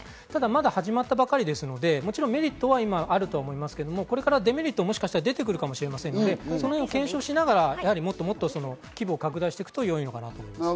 まだ始まったばかりですので、メリットはあると思いますけれども、デメリットも出てくるかもしれませんので、検証しながら、もっともっと規模を拡大していくと良いのかなと思います。